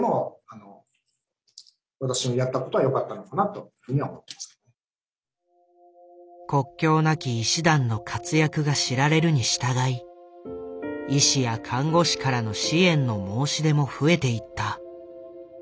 そういう面でも国境なき医師団の活躍が知られるに従い医師や看護師からの支援の申し出も増えていった。